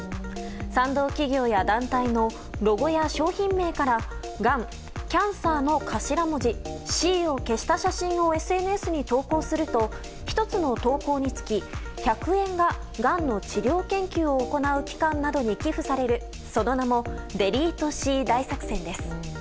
賛同企業や団体のロゴや商品名からがん、キャンサーの頭文字「Ｃ」を消した写真をＳＮＳに投稿すると１つの投稿につき１００円ががんの治療研究を行う機関などに寄付される、その名もｄｅｌｅｔｅＣ大作戦です。